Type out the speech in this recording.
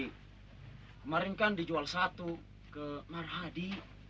kemarin kan dijual satu ke marhadi